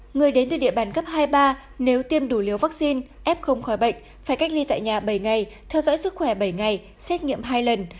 người đến từ địa bàn cấp hai ba nếu tiêm đủ liều vaccine f không khỏi bệnh phải cách ly tại nhà bảy ngày theo dõi sức khỏe bảy ngày xét nghiệm hai lần